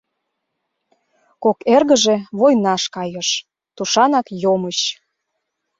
Кок эргыже войнаш кайыш, тушанак йомыч.